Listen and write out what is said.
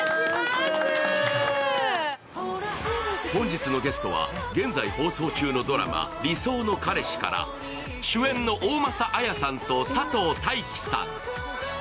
本日のゲストは現在放送中のドラマ「理想ノカレシ」から主演の大政絢さんと佐藤大樹さん。